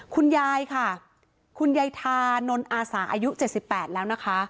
คุณยายค่ะคุณยายทานนอาสาอายุ๗๘แล้วนะคะ